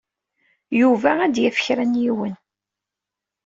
Yuba ad d-yaf kra n yiwen.